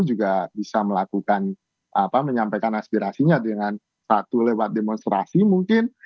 juga bisa melakukan apa menyampaikan aspirasinya dengan satu lewat demonstrasi mungkin